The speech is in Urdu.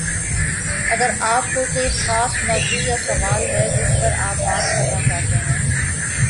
اگر آپ کو کوئی خاص موضوع یا سوال ہے جس پر آپ بات کرنا چاہتے ہیں